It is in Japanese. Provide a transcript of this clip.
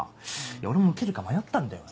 俺も受けるか迷ったんだよね。